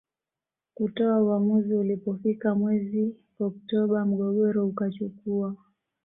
kutoa uamuzi Ulipofika mwezi Oktoba mgogoro ukachukua